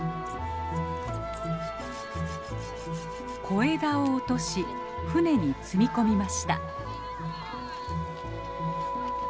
小枝を落とし船に積み込みました。